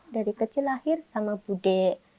dari kecil lahir sama bude